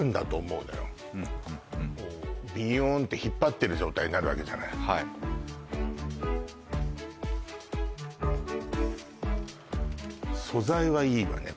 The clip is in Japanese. うんうんうんビヨーンって引っ張ってる状態になるわけじゃないはい素材はいいわね